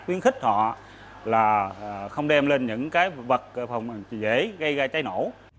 quyến khích họ là không đem lên những vật phòng cháy dễ gây gây cháy nổ